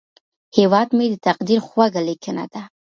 هیواد مې د تقدیر خوږه لیکنه ده